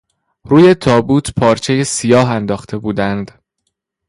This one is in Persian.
روی تابوت پارچهی سیاه انداخته بودند.